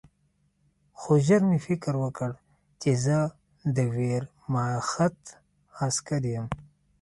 خو ژر مې فکر وکړ چې زه د ویرماخت عسکر یم